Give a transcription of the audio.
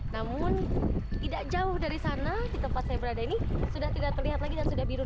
namun tidak jauh dari sana di tempat saya berada ini sudah tidak terlihat lagi dan sudah biru